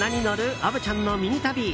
虻ちゃんのミニ旅。